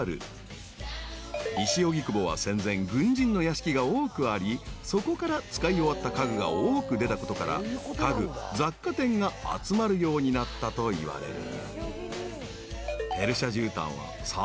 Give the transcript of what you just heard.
［西荻窪は戦前軍人の屋敷が多くありそこから使い終わった家具が多く出たことから家具雑貨店が集まるようになったといわれる］